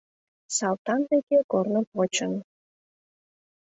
Салтан деке корным почын;